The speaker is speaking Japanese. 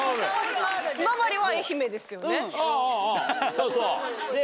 そうそう。